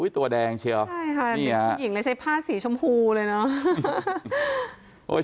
ตัวแดงเชียวใช่ค่ะผู้หญิงเลยใช้ผ้าสีชมพูเลยเนอะ